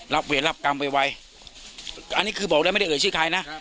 เวรรับกรรมไปไวอันนี้คือบอกแล้วไม่ได้เอ่ยชื่อใครนะ